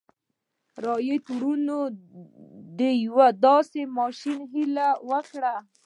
رایټ وروڼو د یوه داسې ماشين هیله وکړه